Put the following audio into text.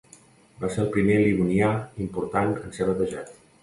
Va ser el primer livonià important en ser batejat.